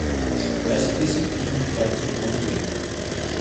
waste Indies کی team Karachi پہنچ گئی